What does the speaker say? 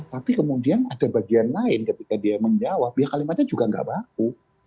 tapi kemudian ada bagian lain ketika dia menjawab ya kalimatnya juga nggak baku